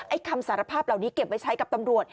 คำสารภาพเหล่านี้เก็บไว้ใช้กับตำรวจ